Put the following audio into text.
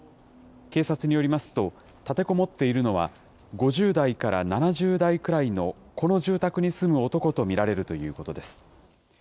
警察によりますと、立てこもっているのは、５０代から７０代くらいの、この住宅に住む男と見られるということです。